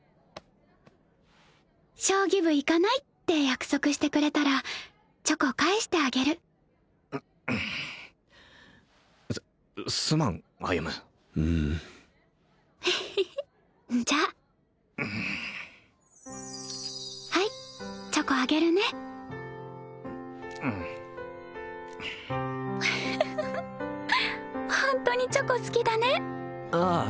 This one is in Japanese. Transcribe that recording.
将棋部行かないって約束してくれたらチョコ返してあげるすすまん歩エヘヘじゃっはいチョコあげるねフフフフホントにチョコ好きだねああ